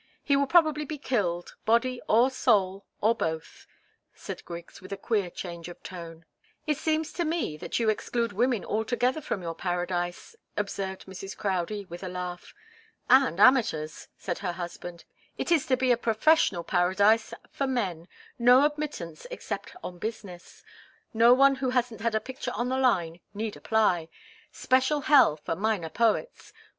"He will probably be killed body or soul, or both," said Griggs, with a queer change of tone. "It seems to me, that you exclude women altogether from your paradise," observed Mrs. Crowdie, with a laugh. "And amateurs," said her husband. "It's to be a professional paradise for men no admittance except on business. No one who hasn't had a picture on the line need apply. Special hell for minor poets.